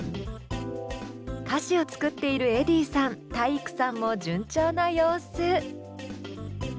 歌詞を作っているｅｄｈｉｉｉさん体育さんも順調な様子。